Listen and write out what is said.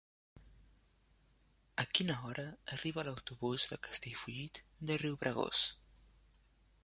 A quina hora arriba l'autobús de Castellfollit de Riubregós?